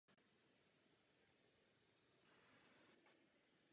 Ten strávil posledních deset let svého života v Tiger Truck Stop v Louisianě.